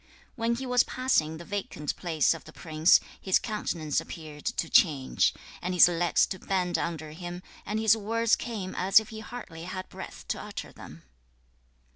3. When he was passing the vacant place of the prince, his countenance appeared to change, and his legs to bend under him, and his words came as if he hardly had breath to utter them.